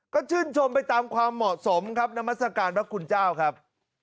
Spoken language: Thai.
ก็ชื่นชมไปตามความเหมาะสมครับนามัศกาลพระคุณเจ้าครับ